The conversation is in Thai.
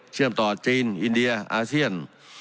เชื่อมต่อจีนอินเดียอาเซียน